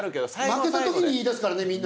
負けたときに言いだすからね。